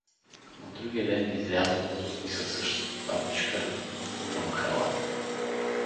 На другия ден излязвал други със същата табличка, но в друга махала.